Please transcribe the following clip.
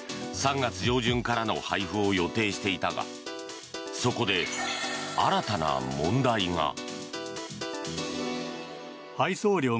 ３月上旬からの配布を予定していたがそこで新たな問題が。